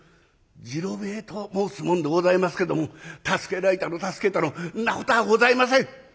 次郎兵衛と申す者でございますけども助けられたの助けたのそんなことはございません！